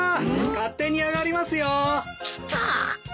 勝手に上がりますよ。来た。